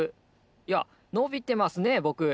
いやのびてますねぼく。